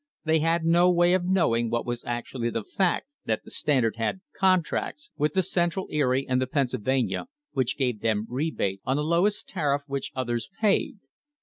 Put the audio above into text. They had no way of knowing what was actually the fact that the Standard had contracts with the Central, Erie and the Pennsylvania which gave them rebates on the low est tariff which others paid.